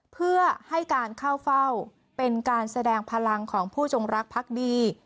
เพื่อให้การเข้าเฝ้าเป็นการแสดงพลังของผู้จงรักพักดี